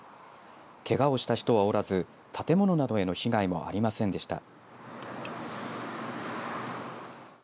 けがをした人はおらず建物などへの被害もありませんでした。